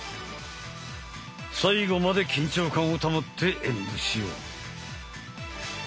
最後まで緊張感を保って演武しよう。